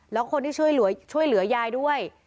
แล้วคนที่ช่วยเหลือยายด้วย